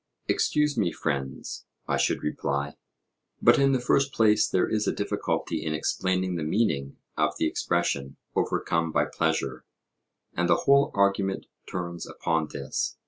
Excuse me, friends, I should reply; but in the first place there is a difficulty in explaining the meaning of the expression 'overcome by pleasure'; and the whole argument turns upon this.